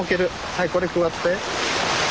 はいこれくわって。